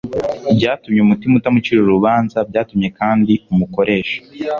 byatumye umutima utamucira urubanza Byatumye kandi umukoresha